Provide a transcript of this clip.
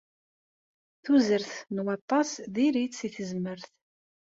Tuzert n waṭas diri-tt i tezmert.